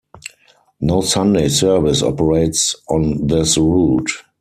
No Sunday service operates on this route.